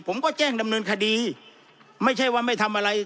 ผมก็แจ้งดำเนินคดีไม่ใช่ว่าไม่ทำอะไร